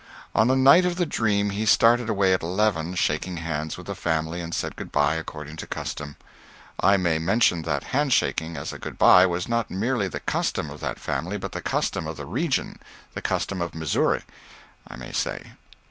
On the night of the dream he started away at eleven, shaking hands with the family, and said good by according to custom. I may mention that hand shaking as a good by was not merely the custom of that family, but the custom of the region the custom of Missouri, I may say.